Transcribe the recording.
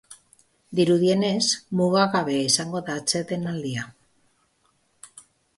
Dirudienez, mugagabea izango da atsedenaldia.